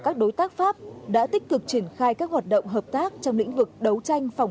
các đối tác pháp đã tích cực triển khai các hoạt động hợp tác trong lĩnh vực đấu tranh phòng